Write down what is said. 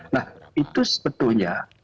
nah itu sebetulnya